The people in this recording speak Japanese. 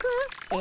え？